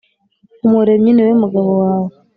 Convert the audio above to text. Umuremyi ni we mugabo wawe